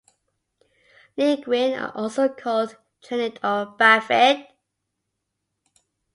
Linguine are also called "trenette" or "bavette".